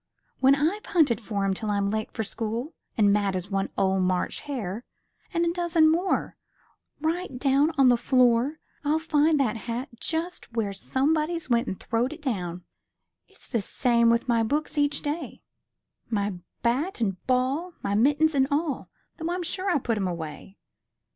When I've hunted for 'em till I'm late for school, An' mad as one ol' March hare, An' a dozen more, right down on the floor I'll find that hat, just where Somebody's went an' throwed it down, It's the same with my books each day, My bat an' ball, my mittens an' all, Though I'm sure I put 'em away.